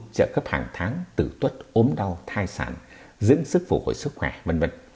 trợ cấp hàng tháng tử tuất ốm đau thai sản dưỡng sức phủ hồi sức khỏe v v